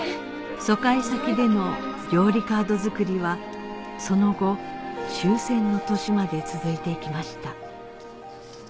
疎開先での料理カード作りはその後終戦の年まで続いていきました